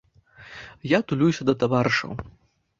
Я тулюся да таварышаў.